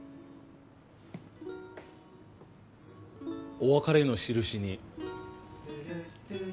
お別れの印に。